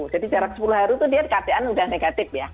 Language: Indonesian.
jadi jarak sepuluh hari itu dia dikataan sudah negatif ya